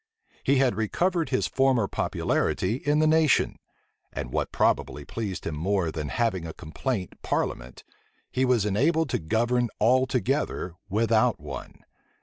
He had recovered his former popularity in the nation; and, what probably pleased him more than having a compliant parliament, he was enabled to govern altogether without one.